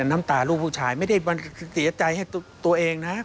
น้ำตาลูกผู้ชายไม่ได้เสียใจให้ตัวเองนะ